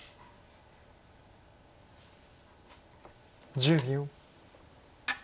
１０秒。